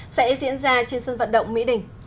sẽ diễn ra trên sân vận động mỹ đình